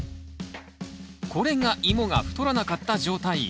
これがイモが太らなかった状態。